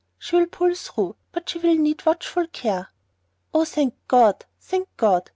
She will pull through, but she will need watchful care." "Oh, thank God! Thank God!"